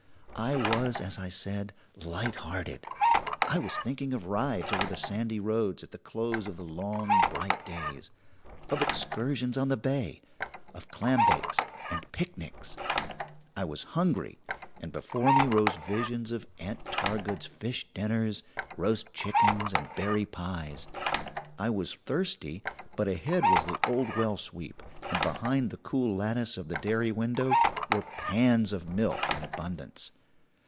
I was, as I said, light hearted. I was thinking of rides over the sandy roads at the close of the long, bright days; of excursions on the bay; of clambakes and picnics. I was hungry, and before me rose visions of Aunt Targood's fish dinners, roast chickens, and berry pies. I was thirsty, but ahead was the old well sweep, and behind the cool lattice of the dairy window were pans of milk in abundance.